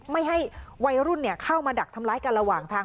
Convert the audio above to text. ไม่ให้วัยรุ่นเข้ามาดักทำร้ายกันระหว่างทาง